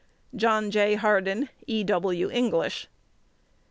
John J. Hardin. E. W. English.